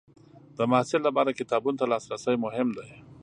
د محصل لپاره کتابونو ته لاسرسی مهم دی.